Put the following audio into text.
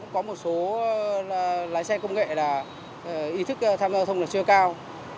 có một số lái xe công nghệ là ý thức tham gia giao thông là chưa cao